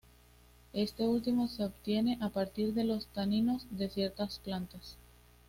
Este último se obtiene a partir de los taninos de ciertas plantas.